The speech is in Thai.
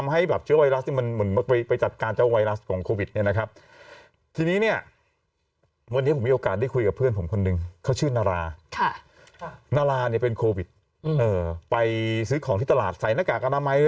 ให้เพื่อนผมคนนึงเขาชื่อนาราลาเนี่ยเป็นโควิตไปซื้อของที่ตลาดใส่นาฆาตกรรมไมค์